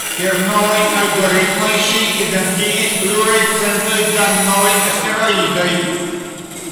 Per novaj algoritmoj ŝi identigis plurajn centojn da novaj asteroidoj.